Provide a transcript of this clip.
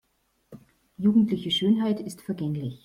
Jugendliche Schönheit ist vergänglich.